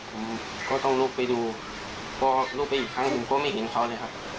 ผมก็ต้องลุกไปดูพอลุกไปอีกครั้งผมก็ไม่เห็นเขาเลยครับ